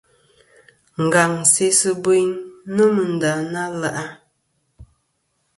Ngaŋ sesɨ biyn nômɨ nda na le'a.